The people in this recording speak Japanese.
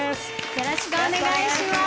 よろしくお願いします。